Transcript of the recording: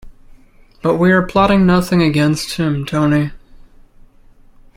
But we are plotting nothing against him, Tony.